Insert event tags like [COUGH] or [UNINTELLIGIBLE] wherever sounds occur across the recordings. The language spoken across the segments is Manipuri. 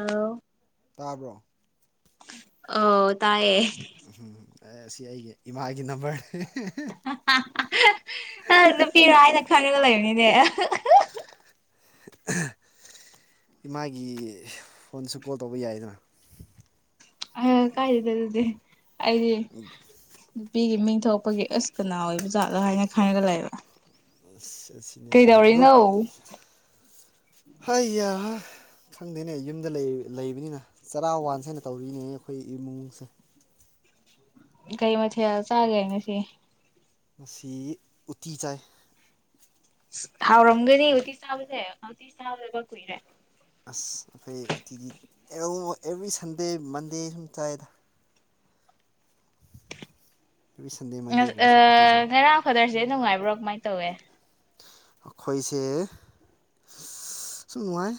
ꯑꯥꯎ ꯇꯥꯕ꯭ꯔꯣ ꯑꯣ ꯇꯥꯏꯌꯦ ꯎꯍꯨꯝ ꯑꯁꯤ ꯑꯩꯒꯤ ꯏꯃꯥꯒꯤ ꯅꯝꯕꯔ ꯍꯥ ꯍꯥ ꯍꯥ ꯅꯨꯄꯤ ꯍꯥꯏꯔꯒ ꯈꯜꯂꯒ ꯂꯩꯔꯦ [UNINTELLIGIBLE] ꯏꯃꯥꯒꯤ ꯐꯣꯟꯁꯨ ꯀꯣꯜ ꯇꯧꯕ ꯌꯥꯏꯗꯅꯥ ꯑꯌꯥ ꯀꯥꯏꯗ ꯂꯩꯔꯨꯅꯤ ꯑꯩꯗꯤ ꯅꯨ ꯅꯨꯄꯤꯒꯤ ꯃꯤꯡ ꯊꯣꯛꯄꯒꯤ ꯑꯁ ꯀꯅꯥ ꯑꯣꯏꯕ ꯖꯥꯠꯂꯥ ꯍꯥꯏꯅ ꯈꯜꯂꯒ ꯂꯩꯕ ꯁꯤꯅꯤ ꯁꯤꯅꯤ ꯑꯗꯣ ꯀꯩꯗꯧꯔꯤꯅꯣ ꯍꯩ ꯌꯥ ꯈꯪꯗꯦꯅꯦ ꯌꯨꯝꯗ ꯂꯩ ꯂꯩꯕꯅꯤꯅ ꯆꯔꯥ ꯋꯥꯟꯁꯦꯅ ꯇꯧꯔꯤꯅꯦ ꯑꯈꯣꯏ ꯏꯃꯨꯡꯁꯦ ꯀꯩ ꯃꯊꯦꯜ ꯆꯥꯒꯦ ꯉꯁꯤ ꯉꯁꯤ ꯎꯇꯤ ꯆꯥꯏ ꯍꯥꯎꯔꯝꯒꯗꯤ ꯎꯇꯤ ꯆꯥꯕꯁꯦ ꯎꯇꯤ ꯆꯗꯕ ꯀꯨꯏꯔꯦ ꯑꯁ ꯑꯈꯣꯏ ꯎꯇꯤꯗꯤ ꯑꯦꯎ ꯑꯦꯕ꯭ꯔꯤ ꯁꯟꯗꯦ ꯃꯟꯗꯦ ꯁꯨꯝ ꯆꯥꯏꯗ ꯑꯦꯕ꯭ꯔꯤ ꯁꯟꯗꯦ ꯑꯥ ꯃꯟꯗꯦꯒꯨꯝꯕꯁꯦ ꯎꯇꯤ ꯆꯥꯏ ꯑꯥ ꯉꯔꯥꯡ ꯐꯗꯔꯁ ꯗꯦ ꯅꯨꯡꯉꯥꯏꯕ꯭ꯔꯣ ꯀꯃꯥꯏꯟ ꯇꯧꯋꯤ ꯑꯈꯣꯏꯁꯦ ꯁꯨꯝ ꯅꯨꯡꯉꯥꯏ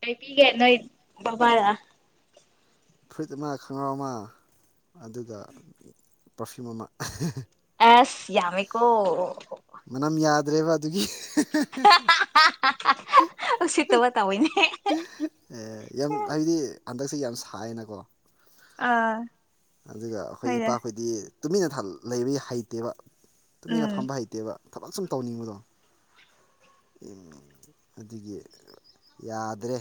ꯀꯩ ꯄꯤꯒꯦ ꯅꯣꯏ ꯕꯕꯥꯗ ꯐꯨꯔꯤꯠ ꯑꯃ ꯈꯡꯒꯥꯎ ꯑꯃ ꯑꯗꯨꯒ ꯄꯥꯔꯐ꯭ꯌꯨꯝ ꯑꯃ ꯍꯦ ꯍꯦ ꯑꯁ ꯌꯥꯝꯃꯤꯀꯣ ꯗ꯭ꯔꯦꯕ ꯑꯗꯨꯒꯤ ꯎꯁꯤꯠꯇꯕ ꯇꯧꯋꯤꯅꯦ ꯑꯦ ꯌꯥꯝ ꯍꯥꯏꯗꯤ ꯍꯟꯗꯛꯁꯦ ꯌꯥꯝ ꯁꯥꯏꯅꯀꯣ ꯑꯥ ꯑꯗꯨꯒ ꯑꯈꯣꯏ ꯍꯣꯏꯅꯦ ꯏꯄꯥꯈꯣꯏꯗꯤ ꯇꯨꯃꯤꯟꯅ ꯊꯜ ꯂꯩꯕꯒꯤ ꯍꯩꯇꯦꯕ ꯇꯨꯃꯤꯟꯅ ꯎꯝ ꯐꯝꯕ ꯍꯩꯇꯦꯕ ꯊꯕꯛ ꯁꯨꯝ ꯇꯧꯅꯤꯡꯕꯗꯣ ꯑꯗꯨꯒꯤ ꯌꯥꯗ꯭ꯔꯦ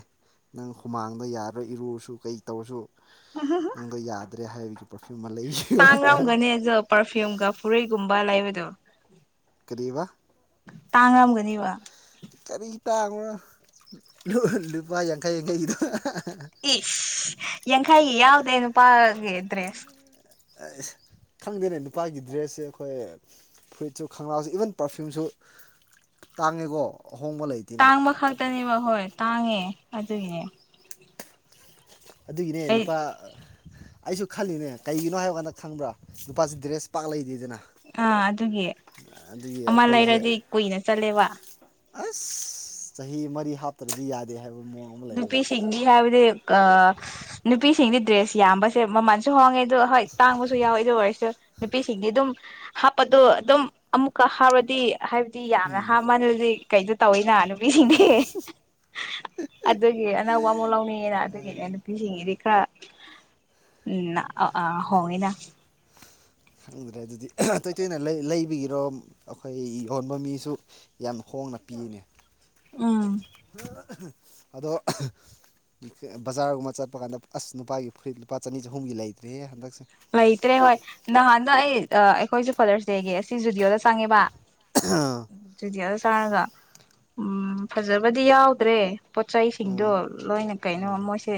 ꯅꯪ ꯍꯨꯃꯥꯡꯗꯣ ꯌꯥꯔꯣꯏ ꯏꯔꯨꯁꯨ ꯀꯩ ꯇꯧꯔꯁꯨ ꯍꯥ ꯍꯥ ꯀꯔꯤ ꯍꯥꯏꯔꯤꯒꯦ ꯇꯥꯡꯉꯝꯒꯅꯤ ꯑꯗꯣ ꯄꯔꯐ꯭ꯌꯨꯝꯒ ꯐꯨꯔꯤꯠꯒꯨꯝꯕ ꯂꯩꯕꯗꯣ ꯀꯔꯤꯕꯥ ꯇꯥꯡꯉꯝꯒꯅꯤ ꯕꯥ ꯀꯔꯤ ꯇꯥꯡꯕꯅꯣ ꯂꯨ ꯂꯨꯄꯥ ꯌꯥꯡꯈꯩ ꯌꯥꯡꯈꯩꯒꯤꯗꯣ ꯏꯁ ꯌꯥꯡꯈꯩꯒꯤ ꯌꯥꯎꯗꯦ ꯅꯨꯄꯥꯒꯤ ꯗ꯭ꯔꯦꯁ ꯑꯁ ꯈꯪꯗꯦꯅꯦ ꯅꯨꯄꯥꯒꯤ ꯗ꯭ꯔꯦꯁꯁꯦ ꯑꯈꯣꯏ ꯐꯨꯔꯤꯠꯁꯨ ꯈꯪꯒꯥꯎꯁꯨ ꯏꯚꯟ ꯄꯔꯐ꯭ꯌꯨꯝꯁꯨ ꯇꯥꯡꯉꯤꯀꯣ ꯇꯥꯡꯕ ꯈꯛꯇꯅꯦꯕ ꯍꯣꯏ ꯇꯥꯡꯉꯦ ꯑꯗꯨꯒꯤꯅꯦ ꯑꯗꯨꯒꯤꯅꯦ ꯑꯩ ꯅꯨꯄꯥ ꯑꯩꯁꯨ ꯈꯜꯂꯤꯅꯦ ꯀꯩꯒꯤꯅꯣ ꯍꯥꯏꯕ ꯀꯥꯟꯗ ꯈꯪꯕ꯭ꯔꯥ ꯅꯨꯄꯥꯁꯤ ꯗ꯭ꯔꯦꯁ ꯄꯥꯛ ꯂꯩꯗꯦꯗꯅꯥ ꯑꯥ ꯑꯗꯨꯒꯤ ꯑꯃ ꯑꯩꯈꯣꯏꯁꯦ ꯂꯩꯔꯗꯤ ꯀꯨꯏꯅ ꯆꯠꯂꯦꯕꯥ ꯑꯁ ꯆꯍꯤ ꯃꯔꯤ ꯍꯥꯞꯇ꯭ꯔꯗꯤ ꯌꯥꯗꯦ ꯍꯥꯏ ꯅꯨꯄꯤꯁꯤꯡꯗꯤ ꯍꯥꯏꯔꯦ ꯅꯨꯄꯤꯁꯤꯡꯗꯤ ꯗ꯭ꯔꯦꯁ ꯌꯥꯝꯕꯁꯦ ꯃꯃꯜꯁꯨ ꯍꯣꯡꯉꯦ ꯑꯗꯨ ꯍꯣꯏ ꯇꯥꯡꯕꯁꯨ ꯌꯥꯎꯋꯦ ꯑꯗꯨ ꯑꯣꯏꯔꯁꯨ ꯅꯨꯄꯤꯁꯤꯡꯗꯤ ꯑꯗꯨꯝ ꯍꯥꯞꯄꯗꯣ ꯑꯗꯨꯝ ꯑꯃꯨꯛꯀ ꯍꯥꯞꯔꯗꯤ ꯍꯥꯏꯕꯗꯤ ꯌꯥꯝꯅ ꯎꯝ ꯍꯥꯞꯃꯜꯂꯤ ꯀꯩꯅꯣ ꯇꯧꯋꯤꯅ ꯅꯨꯄꯤꯁꯤꯡꯗꯤ ꯑꯗꯨꯒꯤ ꯑꯅꯧꯕ ꯑꯃꯨꯛ ꯂꯧꯅꯤꯡꯉꯦꯅ ꯑꯗꯨꯒꯤꯅꯦ ꯅꯨꯄꯤꯁꯤꯡꯒꯤꯗꯤ ꯈꯔ ꯎꯝ ꯑꯥ ꯍꯣꯡꯉꯦꯅ ꯈꯪꯗ꯭ꯔꯦ ꯑꯗꯨꯗꯤ ꯇꯣꯏ ꯇꯣꯏꯅ ꯂꯩꯕꯒꯤꯔꯣ ꯑꯩꯈꯣꯏ ꯌꯣꯟꯕ ꯃꯤꯁꯨ ꯌꯥꯝ ꯍꯣ ꯍꯣꯡꯅ ꯄꯤꯅꯦ ꯎꯝ ꯑꯗꯣ ꯕꯖꯥꯔꯒꯨꯝꯕ ꯆꯠꯄ ꯀꯥꯟꯗ ꯑꯁ ꯅꯨꯄꯥꯒꯤ ꯐꯨꯔꯤꯠ ꯂꯨꯄꯥ ꯆꯅꯤ ꯆꯍꯨꯝꯒꯤ ꯂꯩꯇ꯭ꯔꯦ ꯍꯟꯗꯛ ꯑꯈꯣꯏꯁꯨ ꯐꯥꯗꯔꯁ ꯗꯦꯒꯤ ꯑꯁꯤ ꯖꯨꯗꯤꯑꯣꯗ ꯆꯪꯉꯦꯕ ꯑꯥ ꯆꯪꯔꯒ ꯎꯝ ꯐꯖꯕꯗꯤ ꯌꯥꯎꯗ꯭ꯔꯦ ꯄꯣꯠ ꯆꯩꯁꯤꯡꯗꯣ ꯑꯥ ꯂꯣꯏꯅ ꯀꯩꯅꯣ ꯎꯝ ꯃꯣꯏꯁꯦ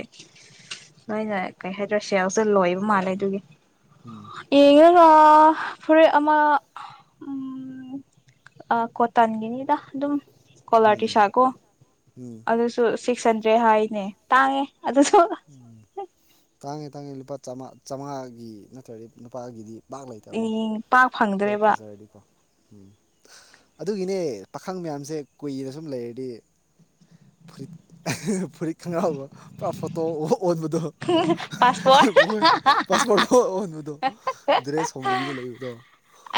ꯂꯣꯏꯅ ꯀꯩ ꯍꯥꯏꯗ꯭ꯔꯥ ꯁꯦꯜꯁꯦ ꯂꯣꯏꯕ ꯃꯥꯜꯂꯦ ꯑꯗꯨꯒꯤ ꯌꯦꯡꯉ ꯑꯥ ꯐꯨꯔꯤꯠ ꯑꯃ ꯑꯥ ꯀꯣꯇꯥꯟꯒꯤꯅꯤꯗ ꯑꯗꯨꯝ ꯀꯣꯂꯔ ꯇ꯭ꯔꯤ ꯎꯝ ꯁꯥꯔꯠꯀꯣ ꯎꯝ ꯑꯗꯨꯁꯨ ꯁꯤꯛꯁ ꯍꯟꯗ꯭ꯔꯦꯗ ꯍꯥꯏꯅꯦ ꯇꯥꯡꯉꯦ ꯑꯗꯨꯁꯨ ꯎꯝ ꯇꯥꯡꯉꯦ ꯇꯥꯡꯉꯦ ꯂꯨꯄꯥ ꯆꯥꯝꯃꯉꯥꯒꯤ ꯅꯠꯇ꯭ꯔꯗꯤ ꯅꯨꯨꯄꯥꯒꯤꯗꯤ ꯎꯝ ꯄꯥꯛ ꯐꯪꯗ꯭ꯔꯦꯕ ꯐꯖꯔꯗꯤꯀꯣ ꯎꯝ ꯑꯗꯨꯒꯤꯅꯦ ꯄꯥꯈꯪ ꯃꯌꯥꯝꯁꯦ ꯀꯨꯏꯅ ꯁꯨꯝ ꯂꯩꯔꯗꯤ ꯐꯨꯔꯤ ꯐꯨꯔꯤꯠ ꯈꯪꯡꯒꯔꯥꯎꯕ [UNINTELLIGIBLE] ꯑꯣꯟꯕꯗꯣ ꯄꯥꯁꯄꯣꯔꯠ ꯃꯣꯏ ꯄꯥꯁꯄꯣꯔꯠ ꯑꯣꯟꯕꯗꯣ ꯗ꯭ꯔꯦꯁ ꯍꯣꯡꯗꯕꯤꯗ ꯂꯩꯕꯗꯣ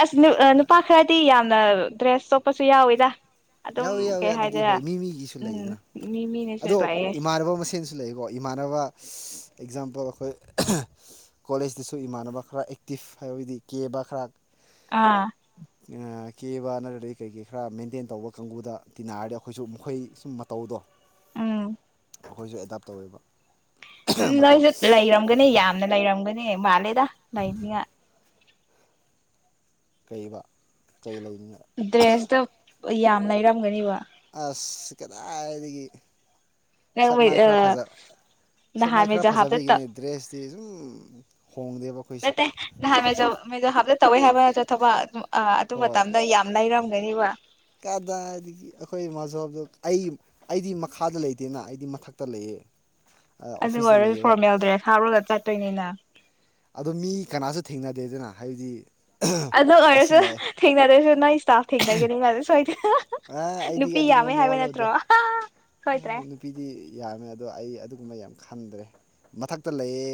ꯑꯁ ꯅꯨꯄꯥ ꯈꯔꯗꯤ ꯌꯥꯝꯅ ꯗ꯭ꯔꯦꯁ ꯆꯣꯛꯄꯁꯨ ꯌꯥꯎꯋꯤꯗ ꯌꯥꯎꯋꯤ ꯑꯗꯨꯝ ꯌꯥꯎꯋꯤ ꯀꯩ ꯑꯗꯨꯗꯤ ꯍꯣꯏ ꯍꯥꯏꯗꯣꯏꯔꯥ ꯃꯤ ꯃꯤꯒꯤꯁꯨ ꯎꯝ ꯂꯩꯗꯅ ꯃꯤ ꯃꯤꯅꯁꯨ ꯑꯗꯣ ꯂꯥꯛꯑꯦ ꯏꯃꯥꯟꯅꯕ ꯃꯁꯦꯟꯁꯨ ꯂꯩꯀꯣ ꯏꯃꯥꯟꯅꯕ ꯑꯦꯛꯖꯥꯝꯄꯜ ꯑꯈꯣꯏ ꯀꯣꯂꯦꯖꯇꯁꯨ ꯏꯃꯥꯟꯅꯕ ꯈꯔ ꯑꯦꯛꯇꯤꯞ ꯍꯥꯏꯕꯗꯤ ꯀꯦꯕ ꯈꯔ ꯑꯥ ꯑꯥ ꯀꯦꯕ ꯅꯠꯇ꯭ꯔꯗꯤ ꯀꯩ ꯀꯩ ꯈꯔ ꯃꯦꯟꯇꯦꯟ ꯇꯧꯕ ꯀꯥꯡꯒꯨꯗ ꯇꯤꯟꯅꯔꯗꯤ ꯑꯈꯣꯏꯁꯨ ꯃꯈꯣꯏ ꯁꯨꯝ ꯃꯇꯧꯗꯣ ꯎꯝ ꯑꯈꯣꯏꯁꯨ ꯑꯦꯗꯥꯞ ꯇꯧꯋꯦꯕ ꯎꯝ ꯃꯇꯧ ꯅꯣꯏꯁꯨ ꯂꯩꯔꯝꯒꯅꯤ ꯌꯥꯝꯅ ꯂꯩꯔꯝꯒꯅꯤ ꯃꯥꯜꯂꯦꯗ ꯂꯩꯅꯤꯉꯥꯏ ꯀꯩꯑꯕ ꯗ꯭ꯔꯦꯁꯇ ꯌꯥꯝ ꯂꯩꯔꯝꯒꯅꯦꯕ ꯑꯁ ꯀꯗꯥꯥꯏꯗꯒꯤ ꯅꯣꯏ ꯑ ꯁꯛ ꯃꯥꯏ ꯈꯔ ꯐꯖꯕꯩꯒꯤꯅꯦ ꯗ꯭ꯔꯦꯁꯇꯤ ꯁꯨꯝ ꯍꯣꯡꯗꯦꯕ ꯑꯈꯣꯏꯁꯦ ꯃꯗꯣ ꯍꯥꯞꯇꯠ ꯇꯧꯋꯦ ꯍꯥꯏꯕꯁꯨ ꯊꯕꯛ ꯑꯗꯨ ꯍꯣꯏ ꯃꯇꯝꯗ ꯌꯥꯝ ꯂꯩꯔꯝꯒꯅꯤꯕ ꯀꯗꯥꯏꯗꯒꯤ ꯑꯈꯣꯏ ꯏꯃꯥꯖꯣꯕꯗꯣ ꯑꯩ ꯑꯩꯗꯤ ꯃꯈꯥꯗ ꯂꯩꯇꯦꯅ ꯑꯩꯗꯤ ꯃꯊꯛꯇ ꯂꯩꯌꯦ ꯑꯗꯨ ꯑꯣꯐꯤꯁꯇ ꯑꯣꯏꯔꯗꯤ ꯂꯩꯌꯦꯕ ꯐꯣꯔꯃꯦꯜꯗ꯭ꯔꯦꯁ ꯍꯥꯞꯔꯒ ꯆꯠꯇꯣꯏꯅꯤꯅ ꯑꯗꯣ ꯃꯤ ꯀꯅꯥꯁꯨ ꯊꯦꯡꯅꯗꯦꯗꯅ ꯍꯥꯏꯕꯗꯤ ꯑꯗꯨ ꯑꯁꯤ ꯑꯣꯏꯔꯁꯨ ꯂꯥꯛꯑꯦ ꯊꯦꯡꯅꯗ꯭ꯔꯁꯨ ꯅꯣꯏ ꯏꯁꯇꯥꯐ ꯊꯦꯡꯅꯒꯅꯤ ꯃꯥꯗ ꯁꯣꯏꯗꯅ ꯑ ꯑꯩꯗꯤ ꯅꯨꯄꯤ ꯑꯗꯨꯒꯨꯝꯕ ꯌꯥꯝꯃꯦ ꯍꯥꯏꯕꯦ ꯃꯋꯥ ꯂꯧꯗꯦ ꯅꯠꯇ꯭ꯔꯣ ꯑꯍ ꯅꯨꯄꯤꯗꯤ ꯌꯥꯝꯃꯦ ꯑꯗꯣ ꯑꯩ ꯑꯗꯨꯒꯨꯝꯕ ꯌꯥꯝ ꯈꯟꯗ꯭ꯔꯦ ꯃꯊꯛꯇ ꯂꯩꯌꯦ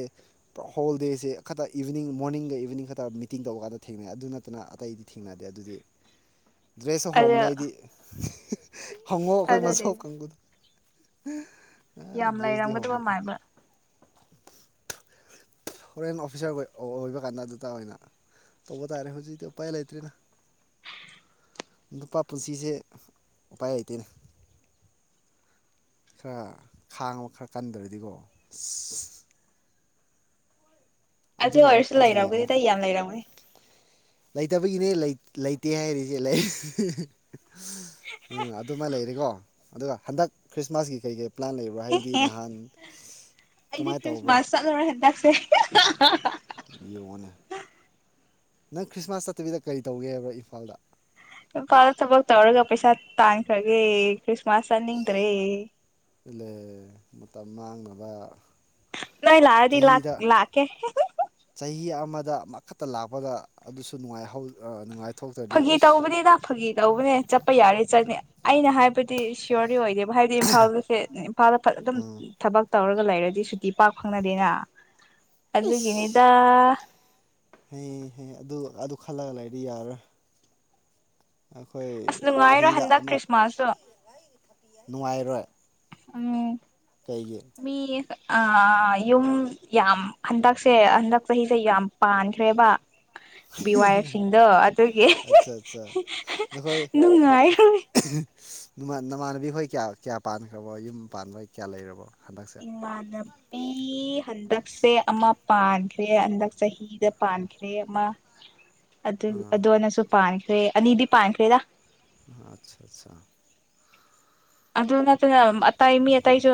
ꯄꯨꯔꯥ ꯍꯣꯜꯗꯦꯁꯦ ꯈꯛꯇ ꯏꯚꯤꯅꯤꯡ ꯃꯣꯔꯅꯤꯡꯒ ꯏꯚꯤꯅꯤꯡ ꯈꯛꯇ ꯃꯤꯇꯤꯡ ꯇꯧꯔꯀꯥꯟꯗ ꯊꯦꯡꯅꯩ ꯑꯗꯨ ꯅꯠꯇꯅ ꯑꯇꯩꯗꯤ ꯊꯦꯡꯅꯗꯦ ꯑꯗꯨꯗꯤ ꯗ꯭ꯔꯦꯁꯁꯨ ꯑꯗ ꯍꯣꯡꯗꯦ ꯑꯩꯗꯤ ꯍꯪꯉꯣ ꯑꯈꯣꯏ ꯃꯆꯧ ꯊꯥꯖꯗꯦꯗ ꯀꯥꯡꯕꯨꯗ [INAUDIBLE] ꯌꯥꯝ ꯗ꯭ꯔꯦꯁꯇꯤ ꯂꯥꯏꯔꯝꯒꯗꯕ ꯍꯣꯡꯉꯦ ꯃꯥꯥꯟꯕ ꯐꯣꯔꯦꯟ ꯑꯣꯐꯤꯁꯥꯔ ꯑꯣꯏꯕ ꯀꯥꯟꯗ ꯑꯗꯨꯇ ꯑꯣꯏꯅ ꯇꯧꯕ ꯇꯥꯔꯦ ꯍꯧꯖꯤꯛꯇꯤ ꯎꯄꯥꯏ ꯂꯩꯇ꯭ꯔꯤꯗ ꯅꯨꯄꯥ ꯄꯨꯟꯁꯤꯁꯦ ꯎꯄꯥꯏ ꯂꯩꯇꯦꯅꯦ ꯈꯔ ꯈꯥꯡꯕ ꯈꯔ ꯀꯟꯗꯔꯗꯤꯀꯣ ꯑꯁ ꯑꯁ ꯑꯃ ꯑꯣꯏꯔꯁꯨ ꯑꯗꯨ ꯂꯩꯔꯦ ꯂꯩꯔꯝꯒꯅꯤꯗ ꯌꯥꯝ ꯂꯩꯔꯝꯒꯅꯤ ꯂꯩꯇꯕꯒꯤꯅꯦ ꯂꯩꯇꯦ ꯍꯥꯏꯔꯤꯁꯦ ꯂꯩ ꯎꯝ ꯑꯗꯨꯃꯥꯏꯅ ꯂꯩꯔꯦꯀꯣ ꯑꯗꯨꯒ ꯍꯟꯗꯛ ꯈ꯭ꯔꯤꯁꯃꯥꯁꯀꯤ ꯀꯩ ꯀꯩ ꯄ꯭ꯂꯥꯟ ꯂꯩꯕ꯭ꯔꯥ ꯍꯥꯏꯕꯗꯤ ꯅꯍꯥꯟ ꯀꯃꯥꯏꯅ ꯇꯧꯕ꯭ꯔꯥ ꯍꯍꯍꯍ ꯌꯦꯡꯉꯣꯅꯦ ꯅꯪ ꯈ꯭ꯔꯤꯁꯃꯥꯁ ꯆꯠꯇꯕꯤꯗ ꯀꯔꯤ ꯇꯧꯒꯦ ꯍꯥꯏꯕ꯭ꯔꯥ ꯏꯝꯐꯥꯜꯗ ꯅꯨꯄꯥꯗꯣ ꯊꯕꯛ ꯇꯧꯔꯒ ꯄꯩꯁꯥ ꯇꯥꯥꯟꯈ꯭ꯔꯒꯦ ꯀ꯭ꯔꯤꯁꯃꯥꯁ ꯅꯤꯡꯗ꯭ꯔꯦ ꯏꯂꯦ ꯃꯇꯝ ꯃꯥꯡꯅꯕ ꯅꯣꯏ ꯂꯥꯑꯗꯤ ꯂꯥꯛ ꯆꯍꯤꯗ ꯂꯥꯛꯀꯦ ꯗ ꯑꯃꯈꯛꯇ ꯂꯥꯛꯄꯗ ꯑꯗꯨꯁꯨ ꯅꯨꯡꯉꯥꯏꯍꯧ ꯅꯨꯡꯉꯥꯏ ꯐꯥꯒꯤ ꯇꯧꯕꯅꯤꯗ ꯐꯥꯒꯤ ꯇꯧꯕꯅꯦ ꯆꯠꯄ ꯌꯥꯔꯦ ꯆꯠꯅꯤ ꯑꯩꯅ ꯍꯥꯏꯕꯗꯤ ꯁꯤꯌꯣꯔꯗꯤ ꯑꯣꯏꯗꯦ ꯍꯥꯏꯗꯤ ꯏꯝꯐꯥꯜꯒꯤꯁꯦ ꯏꯝꯐꯥꯜꯗ ꯐꯖ ꯑꯗꯨꯝ ꯎꯝ ꯊꯕꯛ ꯇꯧꯔꯒ ꯂꯩꯔꯗꯤ ꯁꯨꯇꯤ ꯄꯥꯛ ꯐꯪꯅꯗꯦꯅ ꯑꯗꯨꯒꯤꯅꯤꯗ ꯍꯦ ꯍꯦ ꯑꯗꯨ ꯑꯗꯨ ꯈꯜꯂꯒ ꯂꯩꯗꯤ ꯌꯥꯔꯔꯣꯏ ꯑꯁ ꯅꯨꯡꯉꯥꯏꯔꯣꯏ ꯆꯍꯤꯗ ꯍꯟꯗꯛ ꯑꯃ ꯈ꯭ꯔꯤꯁꯃꯥꯁꯁꯨ ꯅꯨꯡꯉꯥꯏꯔꯣꯏ ꯎꯝ ꯀꯩꯒꯤ ꯑꯥ ꯌꯨꯝ ꯌꯥꯝ ꯍꯟꯗꯛꯁꯦ ꯍꯟꯗꯛ ꯆꯍꯤꯁꯦ ꯌꯥꯝ ꯄꯥꯟꯈ꯭ꯔꯦꯕ ꯕꯤ ꯋꯥꯏꯞꯁꯤꯡꯗꯣ ꯑꯗꯨꯒꯤ ꯑꯠꯆꯥ ꯑꯠꯆꯥ ꯅꯈꯣꯏ ꯅꯨꯡꯉꯥꯏꯔ ꯅꯃꯥꯟꯅꯕꯤ ꯍꯣꯏ ꯀꯌꯥ ꯀꯌꯥ ꯄꯥꯟꯈ꯭ꯔꯕꯣ ꯌꯨꯝ ꯄꯥꯟꯕꯣꯏ ꯀꯌꯥ ꯂꯩꯔꯕꯣ ꯍꯟꯗꯛꯁꯦ ꯏꯃꯥꯟꯅꯕꯤ ꯍꯟꯗꯛꯁꯦ ꯑꯃ ꯄꯥꯟꯈ꯭ꯔꯦ ꯍꯟꯗꯛ ꯆꯍꯤꯗ ꯄꯥꯟꯈ꯭ꯔꯦ ꯑꯃ ꯑꯗꯨ ꯑꯥ ꯑꯗꯨꯅꯁꯨ ꯄꯥꯟꯈ꯭ꯔꯦ ꯑꯅꯤꯗꯤ ꯄꯥꯟꯈ꯭ꯔꯦꯗ ꯍꯥ ꯑꯆꯥ ꯑꯆꯥ ꯑꯗꯨ ꯅꯠꯇꯅ ꯑꯇꯩ ꯃꯤ ꯑꯇꯩꯁꯨ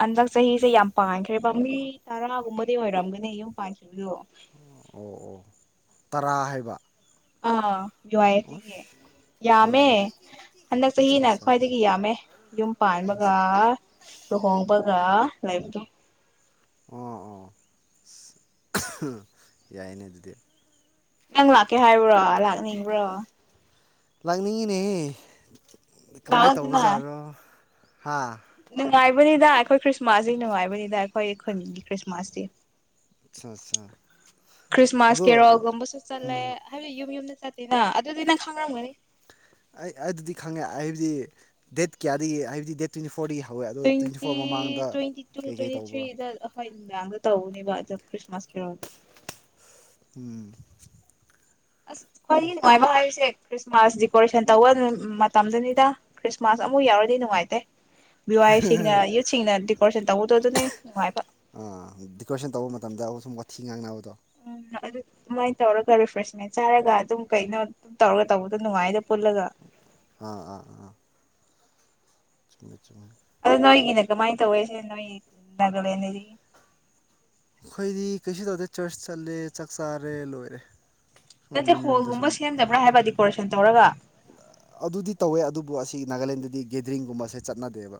ꯍꯟꯗꯛ ꯆꯍꯤꯁꯦ ꯌꯥꯝ ꯄꯥꯟꯈ꯭ꯔꯦꯕ ꯃꯤ ꯇꯔꯥꯒꯨꯝꯕꯗꯤ ꯑꯣꯏꯔꯝꯒꯅꯤ ꯌꯨꯝ ꯄꯥꯟꯈꯤ [UNINTELLIGIBLE] ꯑꯣ ꯑꯣ ꯇꯔꯥ ꯍꯥꯏꯕ ꯑꯥ ꯑꯣ ꯌꯨꯋꯥꯑꯦꯐꯁꯤꯒꯤ ꯌꯥꯝꯃꯦ ꯑꯣ ꯍꯟꯗꯛ ꯑꯠꯆꯥ ꯆꯍꯤꯅ ꯑꯠꯆꯥ ꯈ꯭ꯋꯥꯏꯗꯒꯤ ꯌꯥꯝꯃꯦ ꯌꯨꯝ ꯄꯥꯟꯕꯒ ꯂꯨꯍꯣꯡ ꯒ ꯂꯩꯕꯗꯣ ꯑꯣ ꯑꯣ ꯌꯥꯏꯅꯦ ꯑꯗꯨꯗꯤ ꯅꯪ ꯂꯥꯛꯀꯦ ꯍꯥꯏꯕ꯭ꯔꯣ ꯂꯥꯛꯅꯤꯡꯕ꯭ꯔꯣ ꯂꯥꯛꯅꯤꯡꯉꯤꯅꯦꯍꯦ ꯀꯃꯥꯏꯅ ꯂꯥꯛꯑꯣꯗꯅ ꯇꯧꯕꯖꯥꯠꯅꯣ ꯍꯥ ꯅꯨꯡꯉꯥꯏꯕꯅꯤꯗ ꯑꯩꯈꯣꯏ ꯈ꯭ꯔꯤꯁꯃꯥꯁꯇꯤ ꯅꯨꯡꯉꯥꯏꯕꯅꯤꯗ ꯑꯩꯈꯣꯏ ꯈꯨꯟꯒꯤ ꯈ꯭ꯔꯤꯁꯃꯥꯁꯇꯤ ꯑꯠꯆꯥ ꯑꯠꯆꯥ ꯈ꯭ꯔꯤꯁꯃꯥꯁ ꯀꯦꯔꯣ ꯑꯗꯣ ꯒꯨꯝꯕꯁꯨ ꯆꯠꯂꯦ ꯎꯝ ꯍꯥꯏꯕꯗꯤ ꯌꯨꯝ ꯌꯨꯝꯗ ꯆꯠꯇꯤꯅ ꯑꯗꯨꯗꯤ ꯅꯪ ꯈꯥꯡꯔꯝꯒꯅꯤ ꯑꯩ ꯑꯗꯨꯗꯤ ꯈꯪꯉꯦ ꯍꯥꯏꯕꯗꯤ ꯗꯦꯠ ꯀꯌꯥꯗꯒꯤ ꯍꯥꯏꯕꯗꯤ ꯗꯦꯠ ꯇ꯭ꯋꯦꯟꯇꯤ ꯐꯣꯔ ꯐꯣꯔꯗꯒꯤ ꯍꯧꯋꯦ ꯑꯗꯣ ꯇ꯭ꯋꯦꯟꯇꯤ ꯃꯃꯥꯡꯗ ꯇ꯭ꯋꯦꯟꯇꯤ ꯇꯨ ꯀꯩꯀꯩ ꯇ꯭ꯋꯦꯟꯇꯤ ꯇꯧꯕ꯭ꯔꯥ ꯊ꯭ꯔꯤꯗ ꯑꯍꯣꯏ [UNINTELLIGIBLE] ꯇꯧꯅꯤꯕ ꯀ꯭ꯔꯤꯁꯃꯥꯁ ꯈꯔ ꯎꯝ ꯑꯁ ꯋꯥꯔꯤ ꯑꯩꯁꯦ ꯅꯨꯡꯉꯥꯏꯕ ꯍꯥꯏꯁꯦ ꯈ꯭ꯔꯤꯁꯃꯥꯁ ꯗꯤꯀꯣꯔꯦꯁꯟ ꯇꯧꯕ ꯃꯇꯝꯗꯅꯤꯗ ꯈ꯭ꯔꯤꯁꯃꯥꯁ ꯑꯃꯨꯛ ꯌꯥꯎꯔꯗꯤ ꯅꯨꯡꯉꯥꯏꯇꯦ ꯕꯤꯋꯥꯏꯁꯤꯡꯅ ꯌꯨꯠꯁꯤꯡꯅ ꯗꯦꯀꯣꯔꯦꯁꯟ ꯇꯧꯕꯗꯣ ꯑꯗꯨꯅꯦ ꯅꯨꯡꯉꯥꯏꯕ ꯗꯦꯀꯣꯔꯦꯁꯟ ꯇꯧꯕ ꯃꯇꯝꯗ ꯁꯨꯝ ꯋꯥꯊꯤ ꯉꯥꯡꯅꯕꯗꯣ ꯎꯝ ꯑꯗꯨ ꯑꯗꯨꯃꯥꯏꯅ ꯇꯧꯔꯒ ꯔꯤꯐ꯭ꯔꯦꯁꯃꯦꯟ ꯆꯥꯔꯒ ꯑꯗꯨꯝ ꯀꯩꯅꯣ ꯑꯗꯨꯝ ꯇꯧꯔꯒ ꯇꯧꯕꯗꯣ ꯅꯨꯡꯉꯥꯏꯗꯕ ꯑꯥ ꯑꯥ ꯑꯥ ꯆꯨꯝꯃꯦ ꯆꯨꯝꯃꯦ ꯑꯗꯣ ꯅꯣꯏꯒꯤꯅꯦ ꯀꯃꯥꯏꯅ ꯇꯧꯋꯦꯁꯦ ꯅꯣꯏꯒꯤ ꯅꯥꯒꯂꯦꯟꯗꯤ ꯑꯩꯈꯣꯏꯗꯤ ꯀꯩꯁꯨ ꯇꯧꯗꯦ ꯆꯔꯆ ꯆꯠꯂꯦ ꯆꯥꯛ ꯆꯥꯔꯦ ꯂꯣꯏꯔꯦ ꯁꯨꯝ ꯅꯠꯇꯦ ꯌꯨꯝ ꯌꯨꯝꯗ ꯍꯣꯜꯒꯨꯝꯕ ꯁꯨꯝ ꯁꯦꯝꯗꯕ꯭ꯔꯥ ꯍꯥꯏꯕ ꯗꯦꯀꯣꯔꯦꯁꯟ ꯇꯧꯔꯒ ꯑꯗꯨꯗꯤ ꯇꯧꯋꯦ ꯑꯗꯨꯕꯨ ꯑꯁꯤ ꯅꯥꯒꯥꯂꯦꯟꯗꯗꯤ ꯒꯦꯗꯔꯤꯡꯒꯨꯝꯕꯁꯦ ꯆꯠꯅꯗꯦꯕ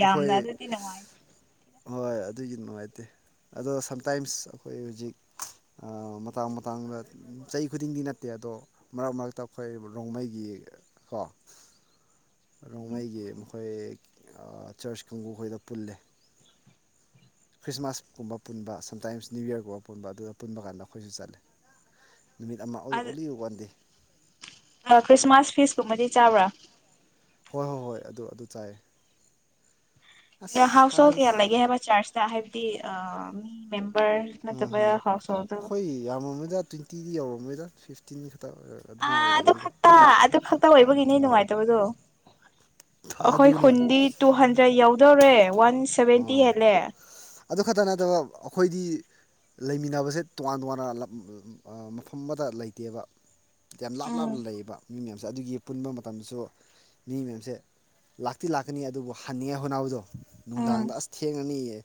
ꯌꯥꯝꯅ ꯑꯩꯈꯣꯏ ꯑꯗꯨꯗꯤ ꯅꯨꯡꯉꯥꯏ ꯍꯣꯏ ꯑꯗꯨꯒꯤ ꯅꯨꯡꯉꯥꯏꯇꯦ ꯑꯗꯣ ꯁꯝꯇꯥꯏꯝꯁ ꯑꯩꯈꯣꯏ ꯍꯧꯖꯤꯛ ꯃꯇꯥꯡ ꯃꯇꯥꯡꯗ ꯆꯍꯤ ꯈꯨꯗꯤꯡꯒꯤ ꯅꯠꯇꯦ ꯑꯗꯣ ꯃꯔꯛ ꯃꯔꯛꯇ ꯑꯩꯈꯣꯏ ꯔꯣꯡꯃꯩꯒꯤ ꯀꯣ ꯔꯣꯡꯃꯩꯒꯤ ꯃꯈꯣꯏ ꯆꯔꯆ ꯀꯥꯡꯕꯨ ꯑꯩꯈꯣꯏꯗ ꯄꯨꯜꯂꯦ ꯈ꯭ꯔꯤꯁꯃꯥꯁꯀꯨꯝꯕ ꯄꯨꯟꯕ ꯁꯝꯇꯥꯏꯝꯁ ꯅ꯭ꯌꯨ ꯌꯔꯒꯨꯝꯕ ꯄꯨꯟꯕ ꯑꯗꯨꯗ ꯄꯨꯟꯕ ꯀꯥꯟꯗ ꯑꯩꯈꯣꯏꯁꯨ ꯆꯠꯂ ꯅꯨꯃꯤꯠ ꯑꯃ ꯑꯣꯟꯂꯤ ꯋꯥꯥꯟꯗꯦ ꯈ꯭ꯔꯤꯁꯃꯥꯁ ꯐꯤꯁꯀꯨꯝꯕꯗꯤ ꯆꯥꯕ꯭ꯔꯥ ꯍꯣꯏ ꯍꯣꯏ ꯍꯣꯏ ꯑꯗꯨ ꯑꯗꯨ ꯆꯥꯏ ꯑꯁ ꯍꯥꯎꯁ ꯍꯣꯜ ꯀꯌꯥ ꯁꯥꯔꯤꯁ ꯂꯩꯒꯦ ꯍꯥꯏꯕ ꯆꯥꯔꯆꯇ ꯍꯥꯏꯕꯗꯤ ꯃꯤ ꯃꯦꯝ ꯑꯝ ꯍꯝ ꯑꯩꯈꯣꯏ ꯌꯥꯝꯃꯗ ꯇ꯭ꯋꯦꯟꯇꯤ ꯐꯇꯤꯗꯤ ꯌꯧꯔꯝꯃꯣꯏꯗ ꯐꯤꯐꯇꯤꯟ ꯈꯛꯇ ꯑꯗꯨꯃꯥꯏ ꯑꯣꯏꯔꯕꯅꯤꯗ ꯏꯇꯥꯎ ꯑꯣꯏꯕꯒꯤꯅꯦ ꯅꯨꯡꯉꯥꯏꯇꯕꯗꯣ ꯑꯩꯈꯣꯏ ꯑꯗꯨꯅꯤ ꯈꯨꯟꯗꯤ ꯇꯨ ꯍꯟꯗ꯭ꯔꯦꯗ ꯌꯥꯎꯗꯧꯔꯦ ꯋꯥꯟ ꯁꯦꯚꯦꯟꯇꯤ ꯑꯥ ꯍꯦꯜꯂꯦ ꯑꯗꯨ ꯈꯛꯇ ꯅꯠꯇꯕ ꯑꯩꯈꯣꯏꯗꯤ ꯂꯩꯃꯤꯟꯅꯕꯁꯦ ꯇꯣꯉꯥꯟ ꯇꯣꯉꯥꯟꯅ ꯃꯐꯝ ꯑꯃꯗ ꯂꯩꯇꯦꯕ ꯌꯥꯝ ꯂꯥꯞ ꯎꯝ ꯂꯥꯞꯅ ꯂꯩꯌꯦꯕ ꯃꯤ ꯃꯌꯥꯝꯁꯦ ꯑꯗꯨꯒꯤ ꯄꯨꯟꯕ ꯃꯇꯝꯗꯁꯨ ꯃꯤ ꯃꯌꯥꯝꯁꯦ ꯂꯥꯛꯇꯤ ꯂꯥꯛꯀꯅꯤ ꯑꯗꯨꯕꯨ ꯍꯟꯅꯤꯡꯉꯥꯏ ꯍꯣꯠꯅꯕꯗꯣ ꯎꯝ ꯅꯨꯡꯗꯥꯡꯗ ꯑꯁ ꯊꯦꯡꯉꯅꯤꯌꯦ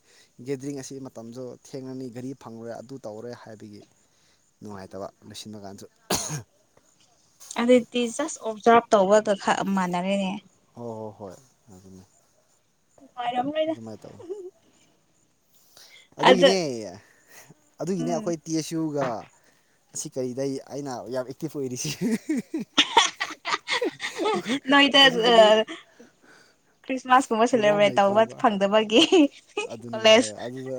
ꯒꯦꯗ꯭ꯔꯤꯡ ꯑꯁꯤ ꯃꯇꯝꯁꯨ ꯊꯦꯡꯅꯅꯤ ꯒꯥꯔꯤ ꯐꯪꯉꯔꯦ ꯑꯗꯨ ꯇꯧꯔꯦ ꯍꯥꯏꯕꯒꯤ ꯅꯨꯡꯉꯥꯏꯇꯕ ꯂꯣꯏꯁꯤꯟꯕ ꯀꯥꯟꯁꯨ ꯑꯗꯨꯗꯤ ꯖꯁ ꯑꯣꯞꯖꯥꯔꯞ ꯇꯧꯕꯒ ꯈꯔ ꯃꯥꯟꯅꯔꯦꯅꯦ ꯍꯣ ꯍꯣꯏ ꯍꯣꯏ ꯑꯗꯨꯅꯦ ꯃꯥꯔ ꯑꯃ ꯂꯩꯔꯦ ꯑꯗꯨꯃꯥꯏꯅ ꯇꯧꯋꯤ ꯑꯗꯨꯒꯤꯅꯦ ꯑꯗꯨꯒꯤꯅꯦ ꯎꯝ ꯑꯩꯈꯣꯏ ꯇꯤ ꯑꯦꯁ ꯌꯨꯒ ꯁꯤ ꯀꯔꯤꯗꯩ ꯑꯩꯅ ꯌꯥꯝ ꯑꯦꯛꯇꯤꯚ ꯑꯣꯏꯔꯤꯁꯤ ꯑꯩꯈꯣꯏ ꯅꯣꯏꯗ ꯑꯥ ꯑꯁꯤꯗꯗꯤ ꯈ꯭ꯔꯤꯁꯃꯥꯁ ꯀꯨꯝꯕ ꯄ꯭ꯔꯣꯒ꯭ꯔꯥꯝ ꯁꯦꯂꯦꯕ꯭ꯔꯦꯠ ꯇꯧꯕ ꯂꯩꯇ꯭ꯔꯦꯕ ꯐꯪꯗꯕꯒꯤ ꯑꯗꯨꯅꯦ ꯑꯗꯨꯗ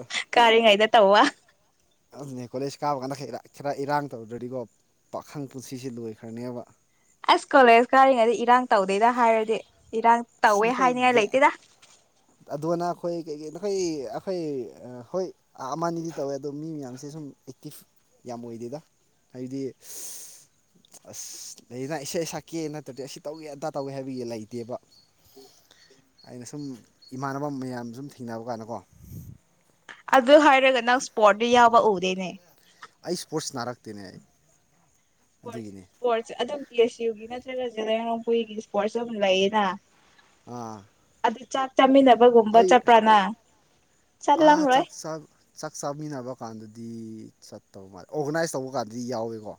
ꯥꯏꯗꯦ ꯇꯥꯎꯋꯥ ꯑꯗꯨꯅꯦ ꯀꯣꯂꯦꯖ ꯀꯥꯕ ꯀꯥꯟꯗ ꯈꯔ ꯏꯔꯥꯡ ꯇꯧꯗ꯭ꯔꯗꯤꯀꯣ ꯄꯥꯈꯪ ꯄꯨꯟꯁꯤꯁ ꯂꯣꯏꯈ꯭ꯔꯅꯦꯕ ꯑꯁ ꯀꯣꯂꯦꯖ ꯀꯥꯔꯤꯉꯩꯗ ꯏꯔꯥꯡ ꯇꯧꯗꯣꯏꯗ ꯍꯥꯏꯔꯗꯤ ꯏꯔꯥꯡ ꯑꯁ ꯇꯧꯋꯦ ꯅꯈꯣꯏ ꯍꯥꯏꯅꯤꯡꯉꯥꯏ ꯒꯦ ꯂꯩꯇꯦꯗ ꯑꯗꯣꯅ ꯑꯩ ꯑꯩꯈꯣꯏ ꯀꯩꯀꯩꯅꯣ ꯑꯩꯈꯣꯏ ꯑꯩꯈꯣꯏ ꯍꯣꯏ ꯑꯃꯅꯤ ꯑꯗꯤ ꯇꯧꯋꯦ ꯑꯗꯣ ꯃꯤ ꯃꯌꯥꯝꯁꯦ ꯁꯨꯝ ꯑꯦꯛꯇꯤꯞ ꯌꯥꯝ ꯑꯣꯏꯗꯦꯗ ꯍꯥꯏꯗꯤ ꯑꯁ ꯂꯩꯅ ꯏꯁꯩ ꯁꯛꯀꯦ ꯅꯠꯇ꯭ꯔꯗꯤ ꯑꯁꯤ ꯇꯧꯒꯦ ꯑꯟꯗꯥ ꯇꯧꯒꯦ ꯍꯥꯏꯕꯒꯤ ꯂꯩꯇꯦꯕ ꯑꯩꯅ ꯁꯨꯝ ꯏꯃꯥꯟꯅꯕ ꯃꯌꯥꯝ ꯁꯨꯝ ꯊꯦꯡꯅꯕ ꯀꯥꯟꯗꯀꯣ ꯑꯗꯨ ꯍꯥꯏꯔꯒ ꯅꯪ ꯏꯁꯄꯣꯔꯠꯇ ꯌꯥꯎꯕ ꯎꯗꯦꯅꯦ ꯑꯩ ꯏꯁꯄꯣꯔꯠꯁ ꯅꯥꯔꯛꯇꯦꯅꯦ ꯑꯩ ꯑꯁꯄꯣꯠ ꯑꯗꯨꯒꯤꯅꯦ ꯑꯁꯄꯣꯠ ꯑꯗꯨꯝ ꯇꯤ ꯑꯦꯁ ꯌꯨꯒꯤ ꯅꯠꯇ꯭ꯔꯒꯁꯨ ꯂꯩꯉꯣꯡ ꯄꯨꯨꯏꯒꯤ ꯏꯁꯄꯣꯔꯠꯁ ꯑꯃ ꯂꯩꯌꯦꯅ ꯑꯥ ꯑꯗꯨ ꯆꯥꯛ ꯆꯥꯃꯤꯟꯅꯕꯒꯨꯝꯕ ꯑꯩ ꯆꯠꯄ꯭ꯔꯥ ꯅꯪ ꯑꯥ ꯆꯥꯛ ꯆꯥꯛ ꯆꯥꯃꯤꯟꯅꯕ ꯀꯥꯟꯗꯗꯤ ꯆꯠꯇꯧ ꯃꯥꯜꯂꯦ ꯑꯣꯔꯒꯅꯥꯏꯁ ꯇꯧꯕ ꯀꯥꯟꯗꯗꯤ ꯌꯥꯎꯋꯦꯀꯣ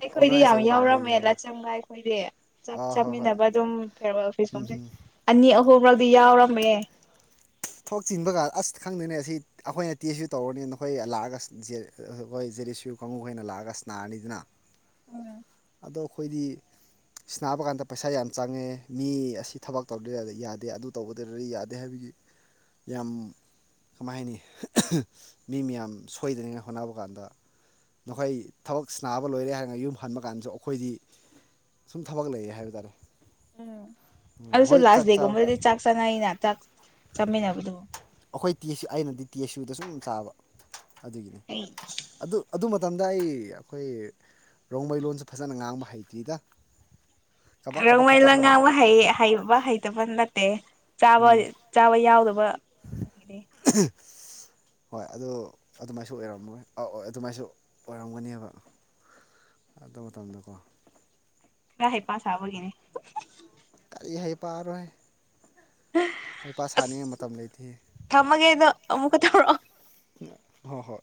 ꯑꯩꯈꯣꯏꯗꯤ ꯑꯣꯔꯒꯅꯥꯏꯁ ꯌꯥꯝ ꯇꯧꯕ ꯀꯥꯟꯗꯗꯤ ꯌꯥꯎꯔꯝꯃꯦ ꯌꯥꯎꯋꯦ ꯂꯥꯆꯝꯒ ꯑꯩꯈꯣꯏꯗꯤ ꯆꯞ ꯑꯥ ꯍꯣꯏ ꯍꯣꯏ ꯆꯥꯃꯤꯟꯅꯕ ꯑꯗꯨꯝ ꯐꯦꯔꯋꯥ ꯎꯝ ꯑꯣꯐꯤꯁꯀꯨꯝꯁꯦ ꯎꯝ ꯑꯅꯤ ꯑꯍꯨꯝꯔꯛꯗꯤ ꯌꯥꯎꯔꯝꯕ ꯌꯥꯏ ꯊꯣꯛ ꯆꯤꯟꯕꯒ ꯑꯁ ꯈꯪꯗꯣꯏꯅꯦ ꯑꯁꯤ ꯑꯩꯈꯣꯏꯅ ꯇꯦ꯭ꯁꯁꯨ ꯇꯧꯔꯅꯤ ꯅꯈꯣꯏ ꯂꯥꯛꯑꯒ ꯑꯁ ꯖꯦ ꯔꯦꯁꯀ꯭ꯌꯨ ꯀꯥꯡꯒꯨꯈꯣꯏꯅ ꯂꯥꯛꯑꯒ ꯁꯅꯥꯔꯅꯤꯗꯅ ꯑꯗꯣ ꯑꯩꯈꯣꯏꯗꯤ ꯁꯟꯅꯕ ꯀꯥꯟꯗ ꯄꯩꯁꯥ ꯌꯥꯝ ꯆꯪꯉꯦ ꯃꯤ ꯑꯁꯤ ꯊꯕꯛ ꯇꯧꯗꯗꯤ ꯌꯥꯗꯦ ꯑꯗꯨ ꯇꯧꯕꯗꯔꯗꯤ ꯌꯥꯗꯦ ꯍꯥꯏꯕ ꯏ ꯌꯥꯝ ꯀꯃꯥꯏ ꯍꯥꯏꯅꯤ ꯃꯤ ꯃꯌꯥꯝ ꯁꯣꯏꯗ꯭ꯔꯤꯉꯥꯏ ꯍꯣꯠꯅꯕ ꯀꯥꯟꯗ ꯅꯈꯣꯏ ꯊꯕꯛ ꯁꯕ ꯂꯣꯏꯔꯦ ꯍꯥꯏꯔꯒ ꯌꯨꯝ ꯍꯟꯕ ꯀꯥꯟꯁꯨ ꯑꯩꯈꯣꯏꯗꯤ ꯁꯨꯝ ꯊꯕꯛ ꯂꯩꯌꯦ ꯍꯥꯏꯕ ꯇꯥꯔꯦ ꯎꯝ ꯎꯝ ꯑꯗꯨꯁꯨ ꯍꯣꯏ ꯂꯥꯁ ꯆꯥꯛ ꯆꯥꯕ ꯗꯦꯒꯨꯝꯕꯗꯗꯤ ꯆꯥꯛ ꯆꯥꯅꯩꯩꯅ ꯆꯥꯛ ꯆꯥꯃꯤꯟꯅꯕꯗꯨ ꯑꯩꯈꯣꯏ ꯇꯤ ꯑꯩꯅꯗꯤ ꯇꯤ ꯑꯦꯁꯨꯗ ꯁꯨꯝ ꯆꯥꯕ ꯑꯗꯨꯒꯤꯅꯤ ꯑꯩ ꯑꯗꯨ ꯑꯗꯨ ꯃꯇꯝꯗ ꯑꯩ ꯑꯩꯈꯣꯏ ꯔꯣꯡꯃꯩ ꯂꯣꯟꯁꯨ ꯐꯖꯅ ꯉꯥꯡꯕ ꯍꯩꯇ꯭ꯔꯤꯗ ꯀꯕꯛ ꯀꯕꯛ ꯈꯛꯇ ꯔꯣꯡꯃꯩꯗ ꯁꯨꯝ ꯉꯥꯡꯕ ꯍꯩ ꯍꯩꯕ ꯍꯩꯇꯕ ꯅꯠꯇꯦ ꯆꯥꯕ ꯆꯥꯕ ꯌꯥꯎꯗꯕ ꯗ ꯑꯪꯗꯤ ꯍꯣꯏ ꯑꯗꯣ ꯑꯗꯨꯃꯥꯏꯁꯨ ꯑꯣꯏꯔꯝꯃꯣꯏ ꯑꯧ ꯑꯣ ꯑꯗꯨꯃꯥꯏꯁꯨ ꯑꯣꯏꯔꯝꯒꯅꯦꯕ ꯑꯗꯨ ꯃꯇꯝꯗꯀꯣ ꯀ ꯍꯩꯄꯥꯁꯕꯒꯤꯅꯦ ꯀꯔꯤ ꯍꯩꯄꯥꯔꯣꯍꯦ ꯍꯩꯄꯥ ꯁꯥꯅꯤꯡꯉꯩ ꯃꯇꯝ ꯂꯩꯇꯤꯌꯦ ꯑꯃꯨꯀ ꯇꯧꯔꯛ ꯑꯣ ꯍꯣꯏ ꯍꯣꯏ